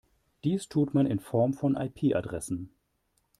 Dies tut man in Form von IP-Adressen.